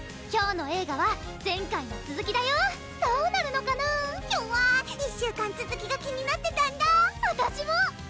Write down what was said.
今日の映画は前回のつづきだよどうなるのかなきゃわ１週間つづきが気になってたんだわたしも！